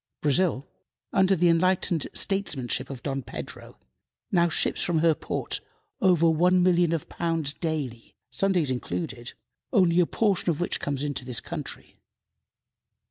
Brazil, under the enlightened statesmanship of Dom Pedro, now ships from her ports over one million of pounds daily, Sundays included, only a portion of which comes to this country.